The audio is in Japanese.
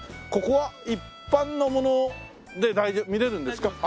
ここは一般の者で見られるんですか？